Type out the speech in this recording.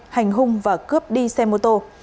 hành hung và cướp đi xe mô tô